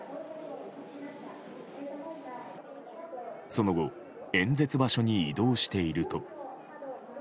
その後、演説場所に移動していると。